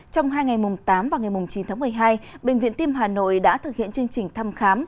trong hai ngày mùng tám và ngày mùng chín tháng một mươi hai bệnh viện tim hà nội đã thực hiện chương trình thăm khám